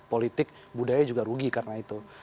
politik budaya juga rugi karena itu